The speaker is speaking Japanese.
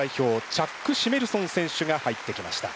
チャック・シメルソン選手が入ってきました。